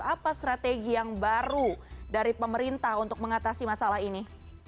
apa strategi yang baru dari pemerintah untuk mengatasi masalah ini